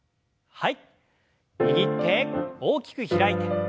はい。